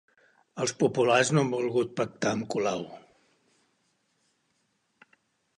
Els populars no han volgut pactar amb Colau.